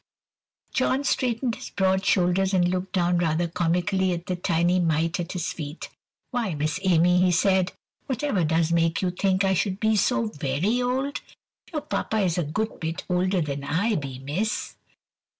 John straightened his broad shoulders and looked down rather comically at the tiny mite at his feet. "Why, Miss Amy," he said, "whatever does make you think I be so very old? Your Papa is a good bit older than I be, miss."